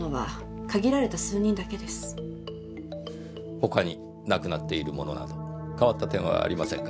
他になくなっているものなど変わった点はありませんか？